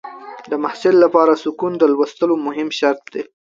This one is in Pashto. د محصل لپاره سکون د لوستلو مهم شرط دی.